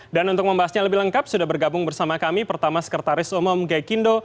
dan untuk membahasnya lebih lengkap sudah bergabung bersama kami pertama sekretaris umum gai kindo